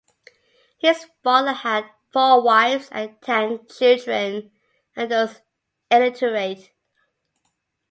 His father had four wives and ten children and was illiterate.